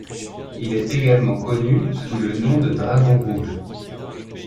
Il est également connu sous le nom de Dragon rouge.